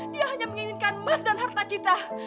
dia hanya menginginkan emas dan harta kita